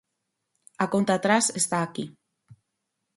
A conta atrás está aquí.